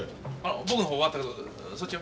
僕の方終わったけどそっちは？